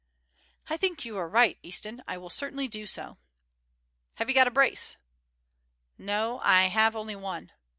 "I think you are right, Easton: I will certainly do so." "Have you got a brace?" "No, I have only one."